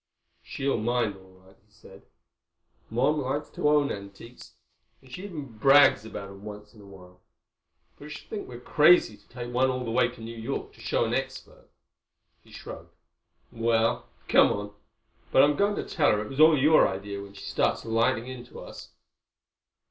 "She'll mind, all right," he said. "Mom likes to own antiques, and she even brags about 'em once in a while. But she'll think we're crazy to take one all the way to New York to show to an expert." He shrugged. "Well, come on. But I'm going to tell her it was all your idea, when she starts lighting into us."